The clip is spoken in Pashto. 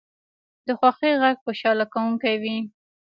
د خوښۍ غږ خوشحاله کوونکی وي